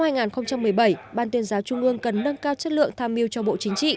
năm hai nghìn một mươi bảy ban tuyên giáo trung ương cần nâng cao chất lượng tham mưu cho bộ chính trị